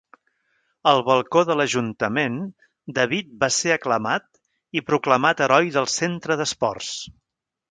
Al balcó de l'Ajuntament, David va ser aclamat i proclamat heroi del Centre d'Esports.